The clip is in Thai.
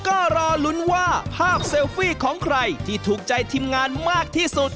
ก็รอลุ้นว่าภาพเซลฟี่ของใครที่ถูกใจทีมงานมากที่สุด